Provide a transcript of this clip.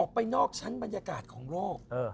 ไปนอกชั้นบรรยากาศของโลก